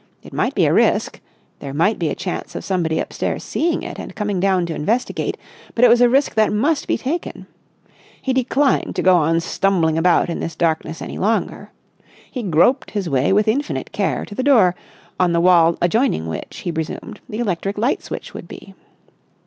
It might be a risk; there might be a chance of somebody upstairs seeing it and coming down to investigate; but it was a risk that must be taken. He declined to go on stumbling about in this darkness any longer. He groped his way with infinite care to the door, on the wall adjoining which, he presumed, the electric light switch would be.